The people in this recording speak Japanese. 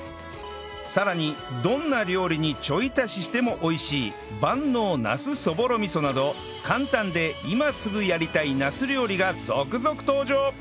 さらにどんな料理にちょい足ししても美味しい万能なすそぼろ味噌など簡単で今すぐやりたいなす料理が続々登場！